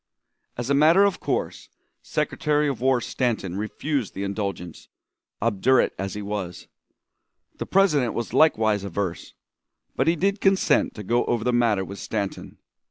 As a matter of course, Secretary of War Stanton refused the indulgence, obdurate as he was. The President was likewise averse, but he did consent to go over the matter with Stanton.